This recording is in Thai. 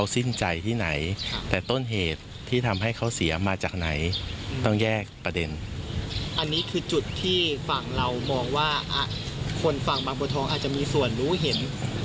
สุดที่ฝั่งเรามองว่าคนฝั่งบางโบทองอาจจะมีส่วนรู้เห็น